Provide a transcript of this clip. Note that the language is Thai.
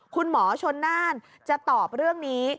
คุณหมอชนน่านจะตอบเรื่องนี้